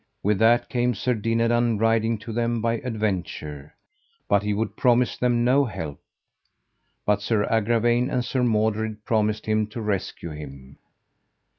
With that came Sir Dinadan riding to them by adventure, but he would promise them no help. But Sir Agravaine and Sir Mordred promised him to rescue him.